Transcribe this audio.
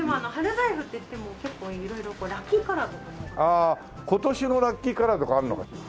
ああ今年のラッキーカラーとかあるのかしら？